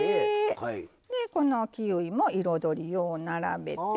でこのキウイも彩りよう並べて。